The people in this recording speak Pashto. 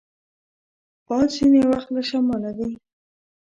باد ځینې وخت له شماله وي